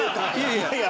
いやいや。